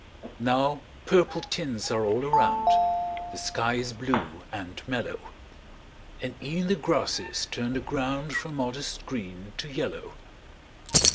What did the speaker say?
Now purple tints are all around; The sky is blue and mellow; And e'en the grasses turn the ground From modest green to yellow.